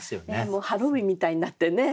もうハロウィーンみたいになってね。